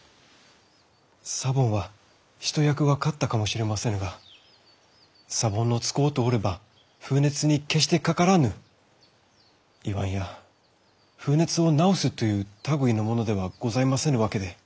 サボンは一役は買ったかもしれませぬがサボンを使うておれば風熱に決してかからぬいわんや風熱を治すという類いのものではございませぬわけで。